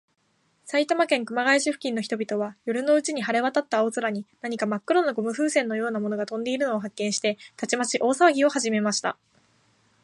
埼玉県熊谷市付近の人々は、夜のうちに晴れわたった青空に、何かまっ黒なゴム風船のようなものがとんでいるのを発見して、たちまち大さわぎをはじめました。